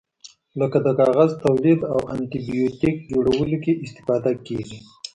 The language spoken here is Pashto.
لکه د غذا تولید او انټي بیوټیک جوړولو کې استفاده کیږي.